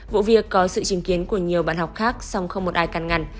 vụ việc có sự chứng kiến của nhiều bạn học khác song không một ai can ngăn